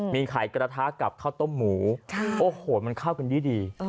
มีไข่กระทะกับข้าวต้มหมูโอ้โหมันเข้ากันดี